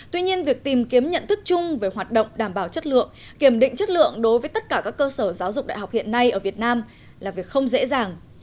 tuy nhiên việc tìm kiếm nhận thức chung về hoạt động đảm bảo chất lượng kiểm định chất lượng đối với tất cả các cơ sở giáo dục đại học hiện nay ở việt nam là việc không dễ dàng